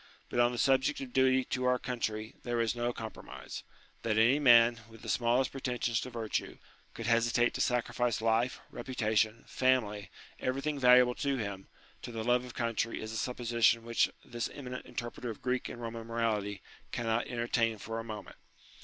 But on the subject of duty to our country there is no com promise. That any man, with the smallest pretensions to virtue, could hesitate to sacrifice life, reputation, family, everything valuable to him, to the love of country is a supposition which this eminent inter preter of Greek and Eoman morality cannot entertain for a moment.